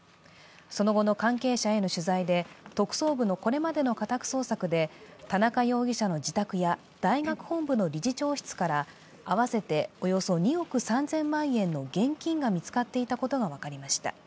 その後の関係者への取材で、特捜部のこれまでの家宅捜索で田中容疑者の自宅や大学本部の理事長室から合わせておよそ２億３０００万円の現金が見つかっていたことが分かりました。